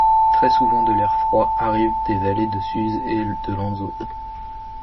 Très souvent de l’air froid arrive des vallées de Suse et de Lanzo.